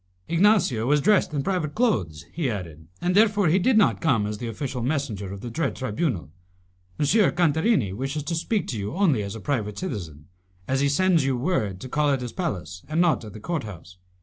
"Ignacio was dressed in private clothes," he added, "and therefore he did not come as the official messenger of the dread tribunal. M. Cantarini wishes to speak to you only as a private citizen, as he sends you word to call at his palace and not at the court house.